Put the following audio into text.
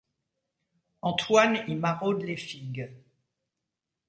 Antoine y maraude les figues.